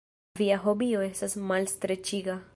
Via hobio estas malstreĉiga.